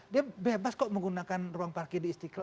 dia bebas kok menggunakan ruang parkir di istiqlal